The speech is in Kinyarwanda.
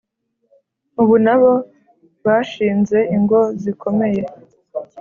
Ubu na bo bashinze ingo zikomeye.